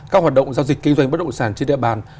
các hoạt động giao dịch kinh doanh bất động sản trên địa bàn